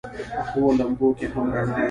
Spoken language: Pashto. پخو لمبو کې هم رڼا وي